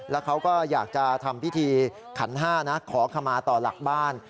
แล้วเขาก็อยากจะทำพิธีขันห้านะขอขมาต่อหลักบ้าน